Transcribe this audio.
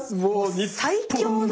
最強の。